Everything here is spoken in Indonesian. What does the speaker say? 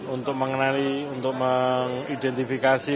untuk mengenali untuk mengidentifikasi